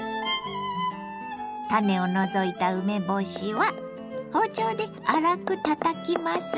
種を除いた梅干しは包丁で粗くたたきます。